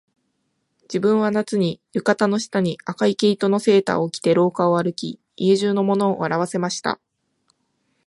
自分は夏に、浴衣の下に赤い毛糸のセーターを着て廊下を歩き、家中の者を笑わせました